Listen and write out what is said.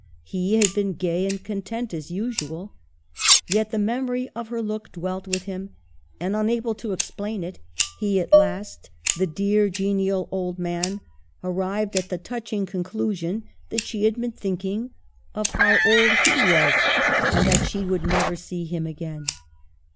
He had been gay and content, as usual, yet the memory of her look dwelt with him ; and unable to explain it, he at last, the dear, genial old man, arrived at the touching con clusion that she had been thinking how old he was, and that she would never see him again.